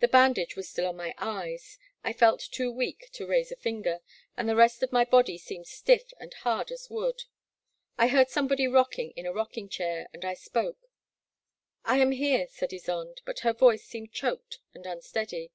The bandage was still on my eyes, — I felt too weak to raise a finger, — and the rest of my body seemed stiff and hard as wood. I heard somebody rocking in a rocking chair and I spoke. I am here, said Ysonde, — ^but her voice seemed choked and unsteady.